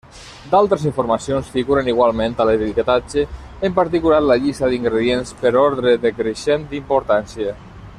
D'altres informacions figuren igualment a l'etiquetatge, en particular la llista d'ingredients per ordre decreixent d'importància.